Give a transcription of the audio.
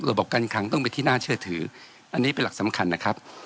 บอกการคลังต้องเป็นที่น่าเชื่อถืออันนี้เป็นหลักสำคัญนะครับ